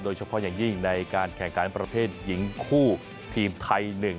โดยเฉพาะอย่างยิ่งในการแข่งขันประเภทหญิงคู่ทีมไทย๑